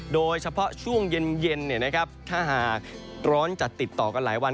โดยเฉพาะช่วงเย็นถ้าหากร้อนจัดติดต่อกันหลายวัน